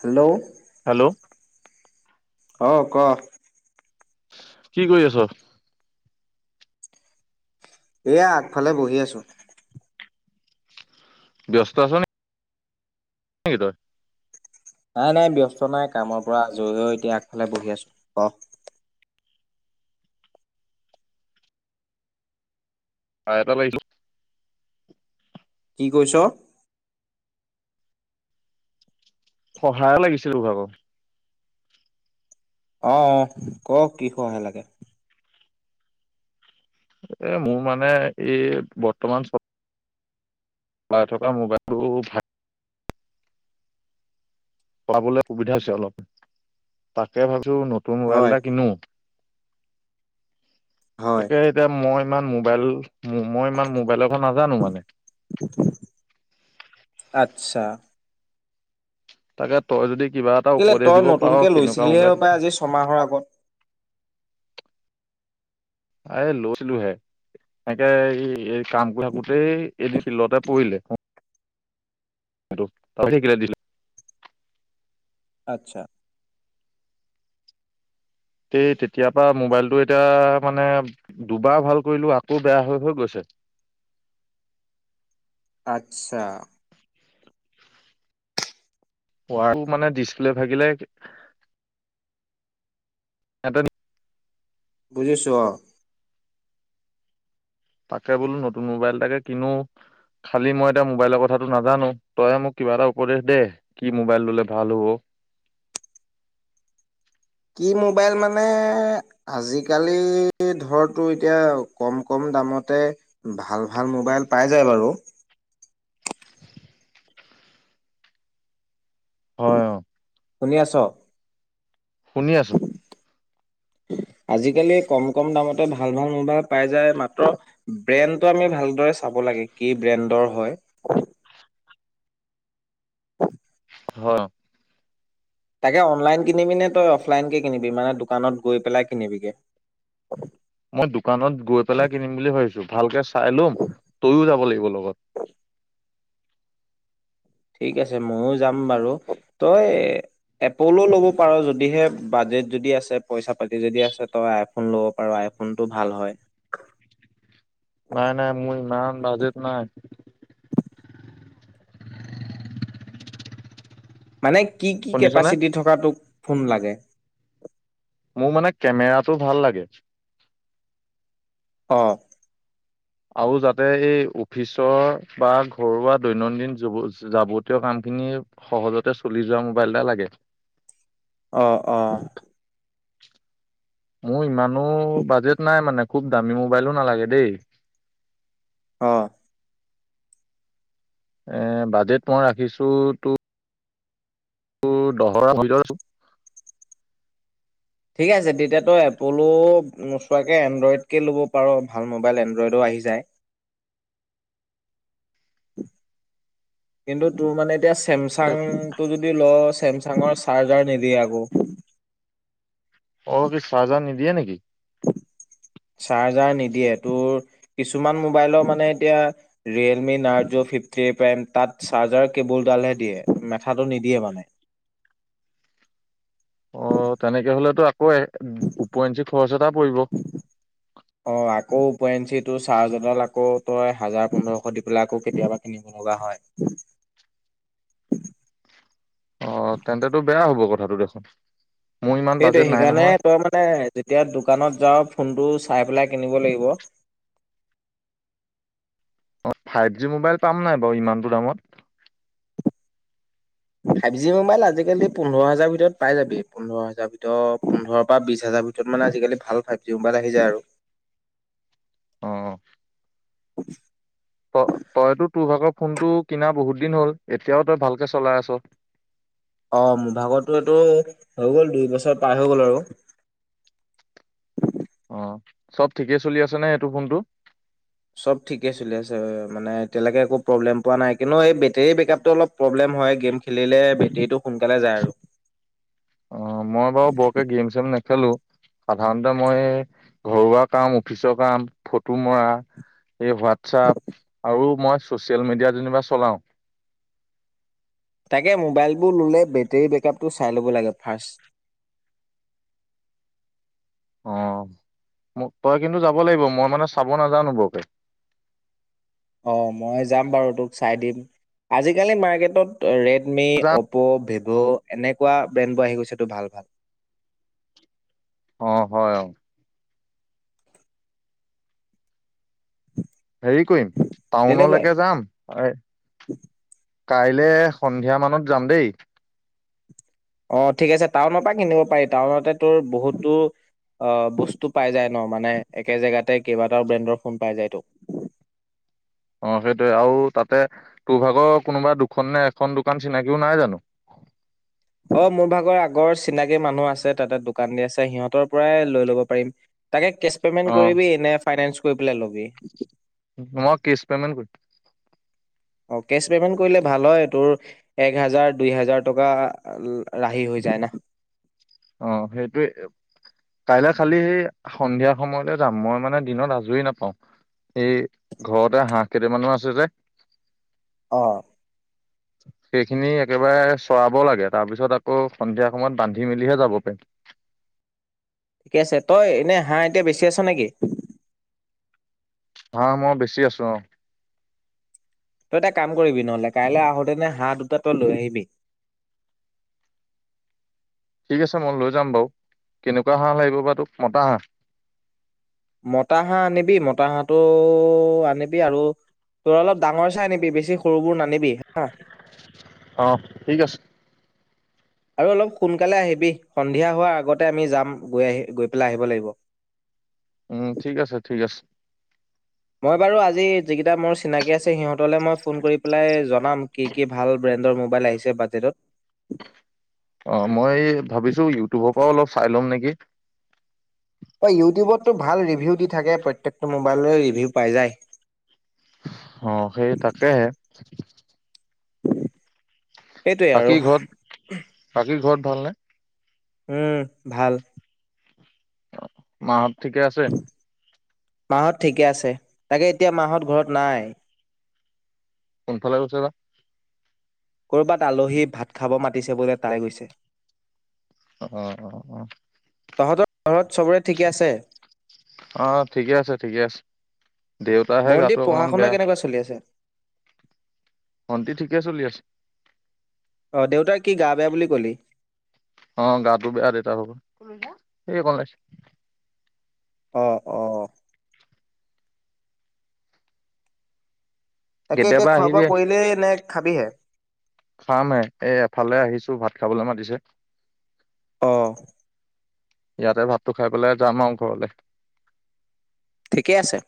Hello? Hello? অ' ক। কি কৰি আছ? এয়া, আগফালে বহি আছোঁ। ব্যস্ত আছ নি? নেকি তই? নাই-নাই ব্যস্ত নাই কামৰ পৰা আজৰিও এতিয়া আগফালে বহি আছো অহ। কাম এটা পাইছো [unintelligible] কি কৈছ? সহায় লাগিছিল তোৰ ভাগৰ। আহ ক কি সহায় লাগে? এ মোৰ মানে এই বৰ্তমান চ চলাই থকা মোবাইলটো ভাল পাবলৈ সুবিধা হৈছে অলপ তাকে ভাবি নতুন মোবাইল হয় এটা কিনো। হয়। তাকে এতিয়া মই ই মোবাইল মই ইমান মোবাইল কথা নাজানো মানে। আচ্ছা। তাকে তই যদি কিবা এটা কেলে উপদেশ তই দিব পাৰ নতুনকে কেনেকুৱা লৈছিলিহে মোবাইল সপাই আজি ছমাহৰ আগত? এই লৈছিলো হে। এনেকে এই-এই কাম থাকোতেই এদিন শিলডতে পৰিলে কতহে থৈ দিছিল [unintelligible] আচ্ছা। এই তেতিয়া পৰা মোবাইলটো এতিয়া মানে দুবাৰ ভাল কৰিলো আকৌ বেয়া হৈ-হৈ গৈছে। আচ্ছা। ৱাটো মানে ডিচপ্লে ভাগিলে। ইয়াতে [unintelligible] বুজিছো অ। তাকে বোলো নতুন মোবাইল তাকে কিনো। খালি মই এতিয়া মোবাইলৰ কথাটো নাজানো, তইহে মোক কিবা এটা উপদেশ দে কি মোবাইল ললে ভাল হব। কি মোবাইল মানে আজিকালি ধৰতো এতিয়া কম-কম দামতে ভাল-ভাল মোবাইল পাই যায় বাৰু। হয় অহ। শুনি আছ? শুনি আছো। আজিকালি কম -কম দামতে ভাল- ভাল মোবাইল পাই যায় মাত্ৰ ব্ৰেণ্ডটো আমি ভালদৰে চাব লাগে কি ব্ৰেণ্ডৰ হয়। শ তাকে অনলাইন কিনিবি নে তই অফলাইনকে কিনিবি মানে দোকানত গৈ পেলাই কিনিবিগে? মই দোকানত গৈ পেলাই কিনিম বুলি ভাবিছো। ভালকে চাই ল'ম তইও যাব লাগিব লগত। ঠিক আছে ময়ো যাম বাৰু তই এপলো ল'ব পাৰ যদিহে বাজেট যদি আছে। পইচা পাতি যদি আছে। তই আইফোন ল'ব পাৰ আইফোনটো ভাল হয়। নাই -নাই মোৰ ইমানমান বাজেত নাই। মানে কি- কি শুনিছনে কেপাচিটি থকাটোক ফোন লাগে? মোৰ মানে কেমেৰাতটো ভাল লাগে। অহ আৰু যাতে এই অফিচৰ বা ঘৰুৱা দৈনন্দিন যাৱতীয় কামখিনি সহজতে চলি যোৱা মোবাইল এটা লাগে। অহ-অহ মোৰ ইমানো বাজেট নাই মানে খুব দামী মোবাইলো নালাগে দেই। অহ এ বাজেট মই ৰাখিছো তোৰ দহৰ ভিতৰত। ঠিক আছে তেতিয়াতো এপলো নোচোৱাকৈ এনড্ৰইডকে ল'ব পাৰ ভাল মোবাইল এনড্ৰইডো আহি যায়। কিন্তু তোৰ মানে এতিয়া এ চেমচাংটো যদি লৱ। ছেমচাঙৰ চাৰ্জাৰ নিদিয়ে আকৌ। অ' কি চাজাৰ নিদিয়ে নেকি? [unintelligible] চাৰ্জাৰ নিদিয়ে তোৰ কিছুমান মোবাইলৰ মানে এতিয়া ৰিয়েলমি নাৰজো ফিফটি প্ৰাইম তাত চাৰ্জাৰ কেবুলডালহে দিয়ে মেথাটো নিদিয়ে মানে। অ 'তেনেকে হলেতো কয় উপওৰিঞ্চি খৰচ এটা পৰিব। অ আকৌ ওপৰেঞ্চিটো চাৰ্জ এডাল আকৌ তই হাজাৰ পোন্ধৰশ দি পেলাই আকৌ কেতিয়াবা কিনিব লগা হয়। অ' তেন্তেতটো বেয়া হ'ব কথাটো দেখোন। মোৰ ইমান সেইটোে বাজেট নাই সেইকাৰণে নহয় তই মানে যেতিয়া দোকানত যাও ফোনটো চাই পেলাই কিনিব লাগিব। অ' ফাইভ জি মোবাইল পাম নাই বাৰু ইমানটো দামত? ফাইভ জি মোবাইল আজিকালি পোন্ধৰ হাজাৰ ভিতৰত পাই যাবি পোন্ধৰ হাজাৰ ভিতৰত পোন্ধৰ পৰা বিশ হাজাৰ ভিতৰত মানে আজিকালি ভাল ফাইভ জি মোবাইল আহি যায় আৰু। [inaudible] ত তইতো তোৰ ভাগৰ ফোনটো কিনা বহুত দিন হল এতিয়াও তই ভালকে চলাই আছ। অ' মোৰ ভাগো এইটো হৈ গ'ল দুই বছৰ পাৰ হৈ গ'ল আৰু। অ' চব ঠিকেই চলি আছে নে এইেইটো ফোনটো। চব ঠিকে চলি আছে। মানে এতিয়ালৈকে একো প্ৰব্লেম পোৱা নাই কিন্তু এই বেটেৰী বেকআপটো অলপ প্ৰব্লেম হয় গেম খেলিলে বেটেৰীটো সোনকালে যায় আৰু। অ 'মই বাৰু বৰকে গেম চেম নেখেলো। নেখেলো সাধাৰণতে মই ঘৰুৱা কাম অফিচৰ কাম ফটো মৰা এই হোৱাটছপ আৰু মই ছচিয়েল মিডিয়া যেনিবা চলাওঁ তাকে মোবাইলবোৰ ল'লে বেটেৰী বেকআপটো চাই ল'ব লাগে ফাষ্ট অঁ ম তই কিন্তু যাব লাগিব মই মানে চাব নাজানো বৰকে অঁ মই যাম বাৰু তোক চাই দিম আজিকালি মাৰ্কেটত ৰেট মে যাম অপ ভিব অ এনেকুৱা ব্ৰেণ্ডবোৰ আহি গৈছে ভাল ভাল অঁ হয় হয় হেৰি কৰিম তেনেকুৱাই টাউনলৈকৈ যাম। কাইলে সন্ধিয়া মানত যাম দেই। অঁ ঠিক আছে টাউনৰ পৰা কিনিব পাৰি টাউনতে তোৰ বহুতো বস্তু পাই যায় ন মানে একে জেগাতে কেইবাটাও ব্ৰেণ্ডৰ ফোন পাই যায় ত অঁ সেইটোৱে আৰু তাতে তোৰ ভাগৰ কোনোবা দুখন নে এখন দোকান চিনাকিও নাই জানো। অঁ মোৰ ভাগৰ আগৰ চিনাকি মানুহ আছে তাতে দোকান দি আছে। সিহঁতৰ পৰাই লৈ লব পাৰিম তাকে কেছ পেমেন্ট অ কৰিবি নে ফাইনেন্স কৈ পেলাই লবি মই কেছ পেমেন্ট কৰিম অঁ কেছ পে'মেণ্ট কৰিলে ভাল হয় তোৰ এক হাজাৰ দুই হাজাৰ টকা ৰাহি হৈ যায় ন অঁ সেইটোে কাইলে খালি সেই সন্ধিয়া সময়লৈ যাম মই মানে দিনত আজৰি নাপাওঁ এই ঘৰতে হাঁহ কেইটামানো আছে যে অঁ সেইখিনি একেবাৰে চৰাব লাগে তাৰ পিছত আকৌ সন্ধিয়া সময়ত বান্ধি মেলিহে যাব। [unintelligible] ঠিকে আছে তই এনে হাঁহ এতিয়া বেচি আছ নে কি? হাঁহ মই বেছি আছো, অঁ। তই এটা কাম কৰিবি নহ'লে, কাইলৈ আহোতেনে হাঁহ দুটা তই লৈ আহিবি। ঠিক আছে মই লৈ যাম বাৰু। কেনেকুৱা হাঁহ লাগিব বা তোক, মতা হাঁহ? মতা হাঁহ আনিবি। মতা হাঁহটো আনিবি আৰু তোৰ অলপ ডাঙৰ চাই আনিবি, বেছি সৰুবোৰ নানিবি হাঁ। অঁ, ঠিক আছে। আৰু অলপ সোনকালে আহিবি। সন্ধিয়া হোৱাৰ আগতে আমি যাম, গৈ পেলাই আহিব লাগিব। উম। ঠিক আছে ঠিক আছে। মই বাৰু আজি যিকেইটা মোৰ চিনাকী আছে সিহঁতলৈ মই ফোন কৰি পেলাই জনাম কি কি ভাল ব্ৰেণ্ডৰ মোবাইল আহিছে বাজেটত। অ মই ভাবিছো ইউটিউবৰ পৰাও অলপ চাই ল'ম নেকি অঁ ইউটিউবতটো ভাল ৰিভিউ দি থাকে প্ৰত্যেকটো মোবাইললৈ ৰিভিউ পাই যায়। অঁ, সেই তাকেহে। সেইটোৱে আৰু বাকী ঘৰত, বাকী ঘৰত ভাল নে? উম ভাল। মাহঁত ঠিকে আছে? মাহঁত ঠিকে আছে। তাকে এতিয়া মাহঁত ঘৰত নাই। কোনফালে গৈছে বা! ক'ৰবাত আলহী ভাত খাব মাতিছে বোলে তালৈ গৈছে। অঁ অঁ অঁ। তহঁতৰ ঘৰত চবৰে ঠিকে আছে? অঁ অঁ, ঠিকে আছে ঠিকে আছে। দেউতাৰহে গাটো ভণ্টিৰ পঢ়া অকমান শুনা বেয়া। কেনেকুৱা চলি আছে? ভন্টি ঠিকে চলি আছে। অ দেউতাৰ কি গা বেয়া বুলি ক'লি। অঁ, গাটো বেয়া দেউতা ভাগৰ‌। এ অকণ ওলাইছো। অ' অ'। তাকে এতিয়া কেতিয়াবা আহিবি খোৱা-বোৱা কৰিলেই নে খাবিহে? খামহে। এ এফালে আহিছো, ভাত খাবলৈ মাতিছে। অহ। ইয়াতে ভাতটো খাই পেলাই যাম আৰু ঘৰলে। ঠিকেই আছে।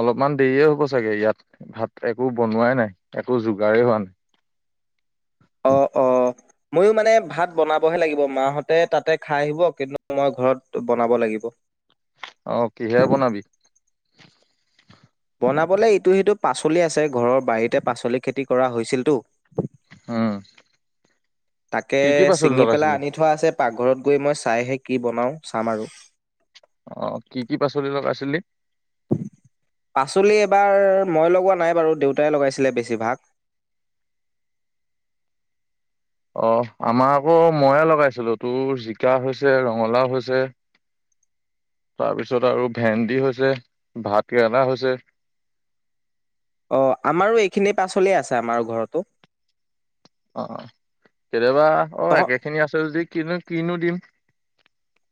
অলপমান দেৰিয়ে হ'ব চাগে ইয়াত ভাত একো বনোৱাই নাই একো যোগাৰেই হোৱা নাই। অঁ অঁ। ময়ো মানে ভাত বনাবহে লাগিব। মাহঁতে তাতে খাই আহিব কিন্তু মই ঘৰত বনাব লাগিব। অ কিহে বনাবি বনাবলৈ ইটো সিটো পাচলি আছে ঘৰৰ বাৰীতে পাচলি খেতি কৰা হৈছিলতো। উম তাকে কি কি পাচলি ছিঙি পেলাই লগাইছিলি আনি থোৱা আছে পাকঘৰত গৈ মই চাইহে কি বনাওঁ, চাম আৰু। অহ, কি কি পাচলি লগাইছিলি? পাচলি এবাৰ মই লগোৱা নাই বাৰু দেউতাই লগাইছিলে বেছিভাগ। অহ, আমাৰ আকৌ ময়ে লগাইছিলো। তোৰ জিকা হৈছে, ৰঙালাও হৈছে, তাৰপিছত আৰু ভেন্দি হৈছে, ভাত কেৰেলা হৈছে। অ আমাৰো এইখিনি পাচলি আছে আমাৰ ঘৰতো। অ অ কেতিয়াবা অ তহ একে খিনি আছে যদি কিনো কিনো দিম?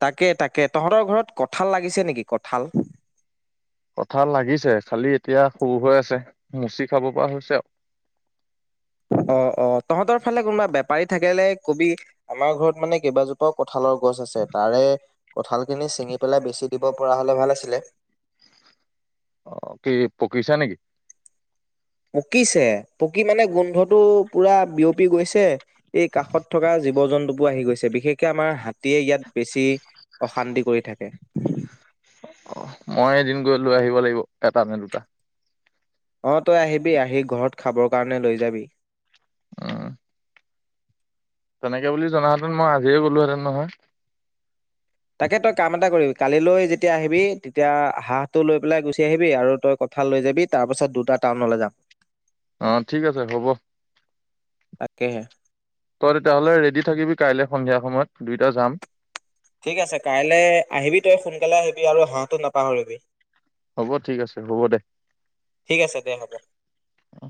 তাকে তাকে তহঁতৰ ঘৰত কঠাল লাগিছে নেকি কঁঠাল? কঠাল লাগিছে খালি এতিয়া সৰু হৈ আছে মুচি খাব পৰা হৈছে আৰু। অ অ তহঁতৰ ফালে কোনোবা বেপাৰী থাকিলে কবি আমাৰ ঘৰত মানে কেইবাজোপা ক কঠালৰ গছ আছে তাৰে কঠালখিনি ছিঙি পেলাই বেছি দিব পৰা হ'লে ভাল আছিলে। অ কি পকিছা নেকি? পকিছে পকি মানে গোন্ধটো পুৰা বিয়পি গৈছে এই কাষত থকা জীৱ জন্তুবোৰ আহি গৈছে বিশেষকে আমাৰ হাতীয়ে ইয়াত বেছি অশান্তি কৰি থাকে। অ মই এদিন গৈ লৈ আহিব লাগিব এটা তেন্তে। অ তই আহিবি আহি ঘৰত খাবৰ কাৰণে লৈ যাবি। অহ তেনেকে বুলি জনাহেতেন মই আজিয়ে গ'লোহেতেন নহয়। তাকে তই কাম এটা কৰিবি কালিলৈ যেতিয়া আহিবি তেতিয়া হাঁহটো লৈ পেলাই গুচি আহিবি আৰু তই কঠাল লৈ যাবি তাৰ পাছত দুটা টাউনলৈ যাম। অ ঠিক আছে হ'ব। তাকেহে। তই তেতিয়াহ'লে ৰেডি থাকিবি কাইলে সন্ধিয়া সময়ত দুইটা যাম। ঠিক আছে কাইলৈ আহিবি তই সোনকালে আহিবি আৰু হাঁহটো নাপাহৰিবি। হ'ব ঠিক আছে হ'ব দে ঠিক আছে দে হ'ব অ।